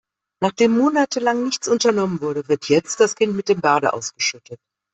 Nachdem monatelang nichts unternommen wurde, wird jetzt das Kind mit dem Bade ausgeschüttet.